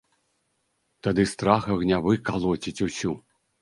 Тады страх агнявы калоціць усю.